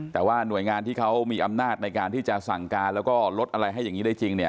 แต่ว่าหน่วยงานที่เขามีอำนาจในการที่จะสั่งการแล้วก็ลดอะไรให้อย่างนี้ได้จริงเนี่ย